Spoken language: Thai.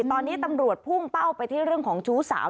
ตอนนี้ตำรวจพุ่งเป้าไปที่เรื่องของชู้สาว